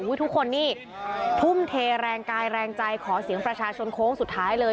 ทุกคนนี่ทุ่มเทแรงกายแรงใจขอเสียงประชาชนโค้งสุดท้ายเลย